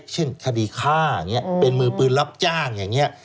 เช่นคดีฆ่าอย่างนี้เป็นมือปืนรับจ้างอย่างนี้